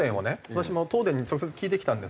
私も東電に直接聞いてきたんですけど。